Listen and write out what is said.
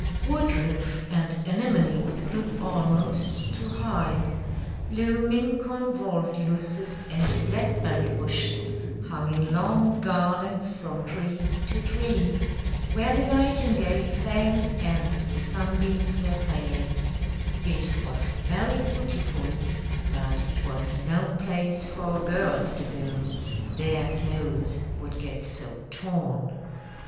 Woodroof and anemonies grew almost too high; blooming convolvuluses and blackberry bushes hung in long garlands from tree to tree, where the nightingale sang and the sunbeams were playing: it was very beautiful, but it was no place for girls to go; their clothes would get so torn.